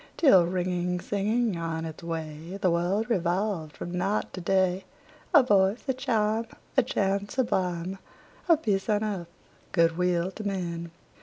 Till, ringing, singing on its way, The world revolved from night to day, A voice, a chime, A chant sublime Of peace on earth, good will to men!